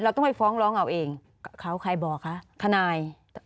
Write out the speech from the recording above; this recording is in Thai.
ต้องไปฟ้องร้องเอาเองเขาใครบอกคะทนาย